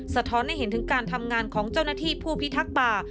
สะท้อนให้เห็นถึงการทำงานของเจ้าหน้าที่ผู้พิทักษ์ป่า